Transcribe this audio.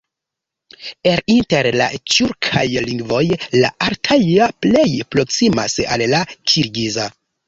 El inter la tjurkaj lingvoj la altaja plej proksimas al la kirgiza.